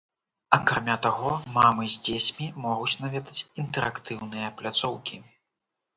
Акрамя таго, мамы з дзецьмі могуць наведаць інтэрактыўныя пляцоўкі.